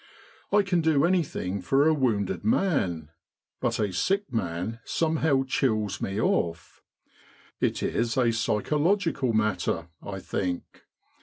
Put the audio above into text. I can do anything for a wounded man, but a sick man somehow chills me off. It is a psychological matter, I think.